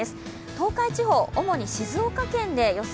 東海地方、主に静岡県で予想